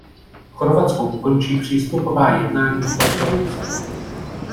Chorvatsko ukončí přístupová jednání v tomto roce.